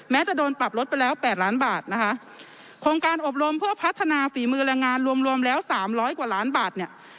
จะโดนปรับลดไปแล้วแปดล้านบาทนะคะโครงการอบรมเพื่อพัฒนาฝีมือแรงงานรวมรวมแล้วสามร้อยกว่าล้านบาทเนี่ย